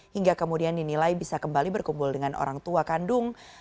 hingga kemudian dinilai bisa kembali berkumpul dengan orang tua kandung